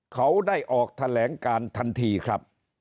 เขาได้ออกแถลงการทันทีครับ